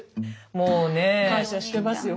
もうねえ。感謝してますよ